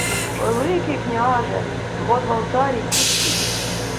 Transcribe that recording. — Великий княже... Гот Валтарій утік.